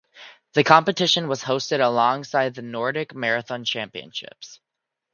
The competition was hosted alongside the Nordic Marathon Championships.